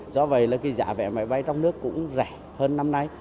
do vậy là giả vẽ máy bay trong nước cũng rẻ hơn năm nay